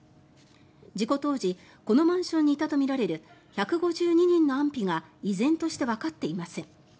事故当時このマンションにいたとみられる１５２人の安否が依然としてわかっていません。